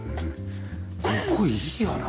ここいいよなあ。